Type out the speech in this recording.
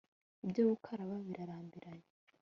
ibyo gukaraba birarambiranye